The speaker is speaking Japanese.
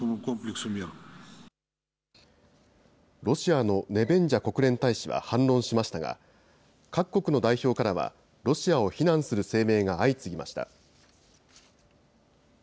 ロシアのネベンジャ国連大使は反論しましたが、各国の代表からは、ロシアを非難する声明が相次ぎました。